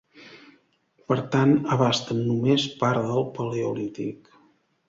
Per tant abasten només part del Paleolític.